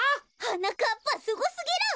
はなかっぱすごすぎる！